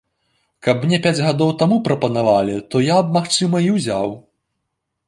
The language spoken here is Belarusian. Каб мне пяць гадоў таму прапанавалі, то я б, магчыма, і ўзяў.